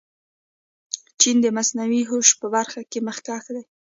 چین د مصنوعي هوش په برخه کې مخکښ دی.